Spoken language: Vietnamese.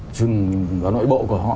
trong nội bộ của họ